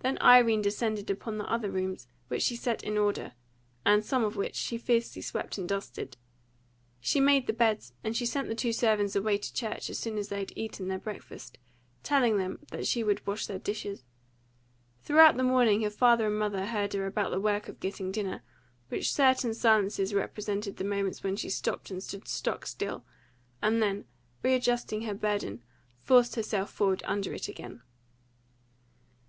Then Irene descended upon the other rooms, which she set in order, and some of which she fiercely swept and dusted. She made the beds; and she sent the two servants away to church as soon as they had eaten their breakfast, telling them that she would wash their dishes. Throughout the morning her father and mother heard her about the work of getting dinner, with certain silences which represented the moments when she stopped and stood stock still, and then, readjusting her burden, forced herself forward under it again.